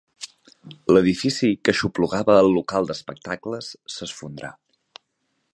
L'edifici que aixoplugava el local d'espectacles s'esfondrà.